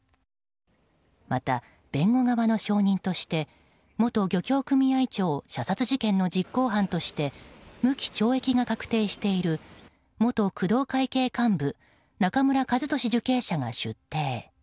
また、弁護側の証人として元漁業組合長射殺事件の実行犯として剥い懲役が確定している元工藤会系幹部中村数年受刑者が出廷。